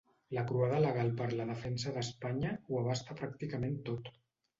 La croada legal per la defensa d’Espanya ho abasta pràcticament tot.